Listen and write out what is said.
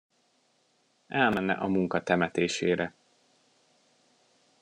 Elmenne a munka temetésére.